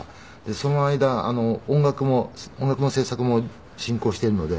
その間音楽の制作も進行しているので。